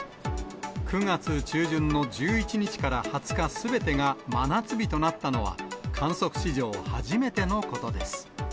９月中旬の１１日から２０日すべてが真夏日となったのは、観測史上初めてのことです。